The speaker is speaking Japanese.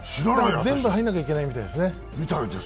全部、入らなきゃいけないみたいですね。